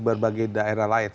di berbagai daerah lain